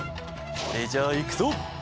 それじゃあいくぞ！